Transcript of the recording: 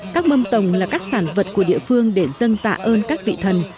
các mâm tồng là các sản vật của địa phương để dâng tạ ơn các vị thần